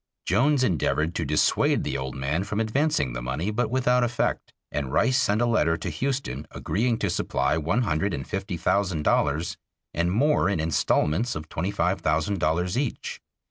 Jones endeavored to dissuade the old man from advancing the money, but without effect, and Rice sent a letter to Houston agreeing to supply one hundred and fifty thousand dollars and more in instalments of twenty five thousand dollars each.